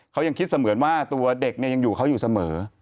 เขายังคิดเสมือนว่าตัวเด็กยังอยู่เขาอยู่เสมอ